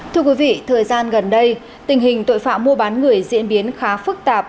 thưa quý vị thời gian gần đây tình hình tội phạm mua bán người diễn biến khá phức tạp